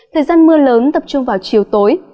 thời gian mưa lớn tập trung vào chiều tối